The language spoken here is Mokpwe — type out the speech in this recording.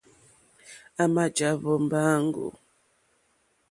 À mà jàwó mbáǃáŋɡó.